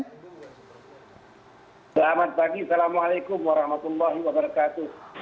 selamat pagi assalamualaikum warahmatullahi wabarakatuh